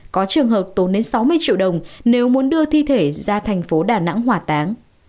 có trường hợp tốn đến sáu mươi triệu đồng nếu muốn đưa thi thể ra thành phố đà nẵng hỏa táng